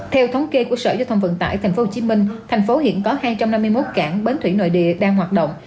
theo thống kê của sở giao thông vận tải tp hcm thành phố hiện có hai trăm năm mươi một cảng bến thủy nội địa đang hoạt động